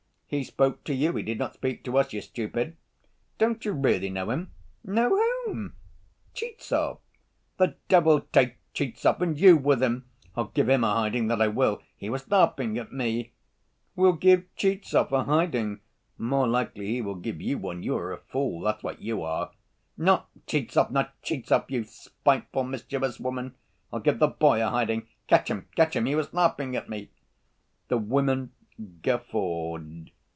He spoke to you, he did not speak to us, you stupid. Don't you really know him?" "Know whom?" "Tchizhov." "The devil take Tchizhov and you with him. I'll give him a hiding, that I will. He was laughing at me!" "Will give Tchizhov a hiding! More likely he will give you one. You are a fool, that's what you are!" "Not Tchizhov, not Tchizhov, you spiteful, mischievous woman. I'll give the boy a hiding. Catch him, catch him, he was laughing at me!" The woman guffawed.